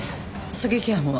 狙撃犯は？